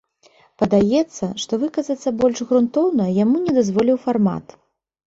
Падаецца, што выказацца больш грунтоўна яму не дазволіў фармат.